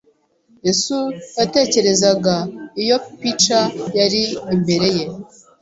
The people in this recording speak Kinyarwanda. Yesu yatekerezaga iyo pica yari imbere ye